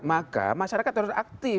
maka masyarakat terus aktif